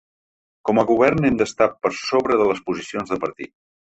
Com a govern hem d’estar per sobre de les posicions de partit.